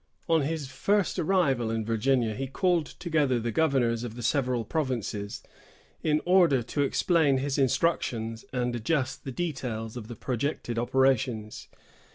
On his first arrival in Virginia, he called together the governors of the several provinces, in order to explain his instructions and adjust the details of the projected operations.